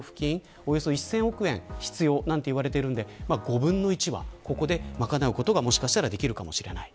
およそ１０００億円必要と言われているので５分の１は、ここで賄うことができるかもしれない。